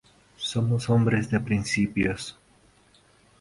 Somos hombres de principios.